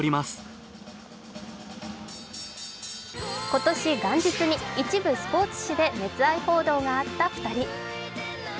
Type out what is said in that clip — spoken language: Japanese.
今年、元日に一部スポーツ紙で熱愛報道があった２人。